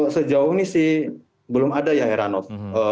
sejauh ini sih belum ada ya heranov